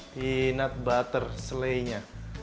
peanut butter selainya